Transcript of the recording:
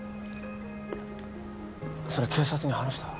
それ警察に話した？